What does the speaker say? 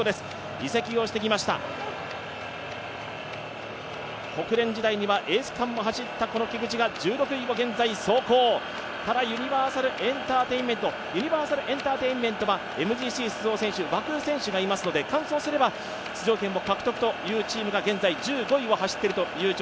移籍をしてきました、ホクレン時代にはエース区間を走った菊地が１６位を現在、走行、ユニバーサルエンターテインメントはＭＧＣ出場選手、若井選手がいますので完走すれば出場権を獲得というチームが現在１５位を走っています。